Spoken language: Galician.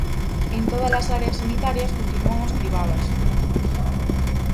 En tódalas áreas sanitarias continúan os cribadas.